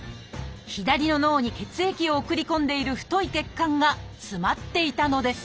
左の脳に血液を送り込んでいる太い血管が詰まっていたのです。